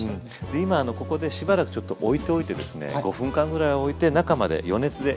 今ここでしばらくちょっとおいておいてですね５分間ぐらいおいて中まで余熱で火を入れていきます。